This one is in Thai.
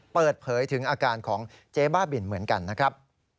เปิดเผยถึงอาการของเจ๊บ้าบินเหมือนกันนะครับ